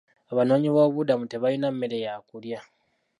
Abanoonyiboobubudamu tebalina mmere ya kulya.